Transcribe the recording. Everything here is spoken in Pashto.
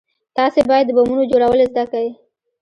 تاسې بايد د بمونو جوړول زده كئ.